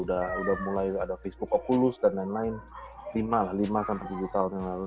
udah mulai ada facebook oculus dan lain lain lima sampai tujuh tahun yang lalu